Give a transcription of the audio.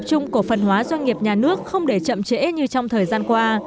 tập trung của phân hóa doanh nghiệp nhà nước không để chậm trễ như trong thời gian qua